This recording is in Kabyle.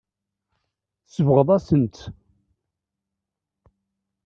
Tsebɣeḍ-asen-tt.